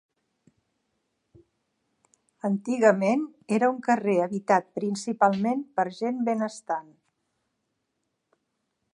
Antigament era un carrer habitat principalment per gent benestant.